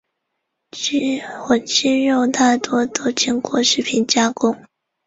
火鸡肉大多都经过食品加工。